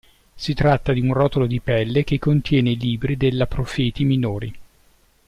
Si tratta di un rotolo di pelle che contiene i libri della Profeti Minori.